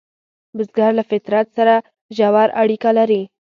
بزګر له فطرت سره ژور اړیکه لري